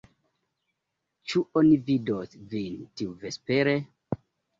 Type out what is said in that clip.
Ĉu oni vidos vin tiuvespere?